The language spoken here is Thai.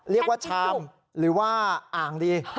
เรียกว่าชามหรือว่าอ่างส์ดี